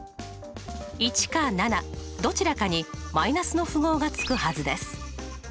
１か７どちらかに−の符号がつくはずです。